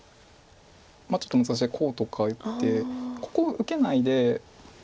まあちょっと難しいこうとか打ってここ受けないで。